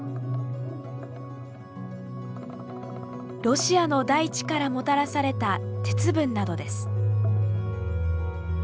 ロシアの大地からもたらされた鉄分などです。